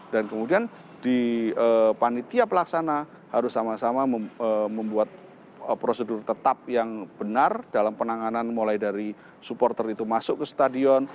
dan kemudian di panitia pelaksana harus sama sama membuat prosedur tetap yang benar dalam penanganan mulai dari supporter itu masuk ke stadion